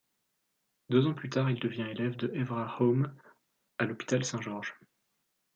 Deux ans plus tard il devient élève de Everard Home à l'hôpital St Georges.